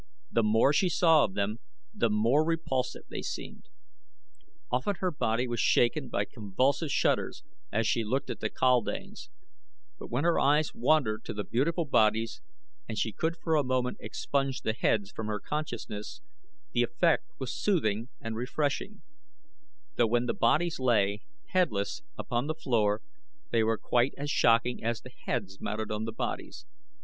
The more she saw of them the more repulsive they seemed. Often her body was shaken by convulsive shudders as she looked at the kaldanes, but when her eyes wandered to the beautiful bodies and she could for a moment expunge the heads from her consciousness the effect was soothing and refreshing, though when the bodies lay, headless, upon the floor they were quite as shocking as the heads mounted on bodies.